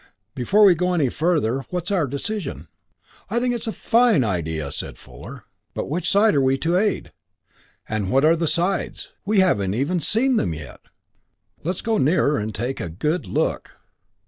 Before we go any further, what's our decision?" "I think it is a fine idea," said Fuller. "But which side are we to aid and what are the sides? We haven't even seen them yet. Let's go nearer and take a good look."